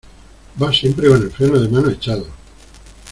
vas siempre con el freno de mano echado